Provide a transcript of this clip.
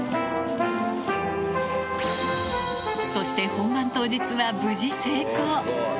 そして本番当日は無事成功。